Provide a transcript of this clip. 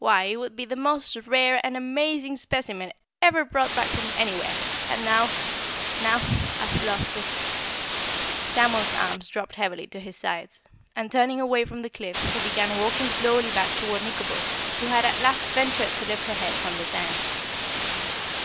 "Why, it would be the most rare and amazing specimen ever brought back from anywhere, and now now I've lost it " Samuel's arms dropped heavily to his sides and turning away from the cliff, he began walking slowly back toward Nikobo, who had at last ventured to lift her head from the sand.